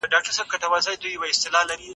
ملتونه به نوي تړونونه لاسلیک کړي.